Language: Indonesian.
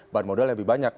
bahan modal yang lebih banyak